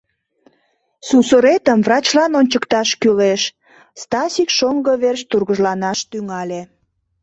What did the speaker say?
— Сусыретым врачлан ончыкташ кӱлеш, — Стасик шоҥго верч тургыжланаш тӱҥале.